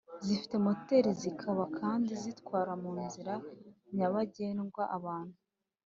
zifite moteri zikaba kandi zitwara mu nzira nyabagendwa abantu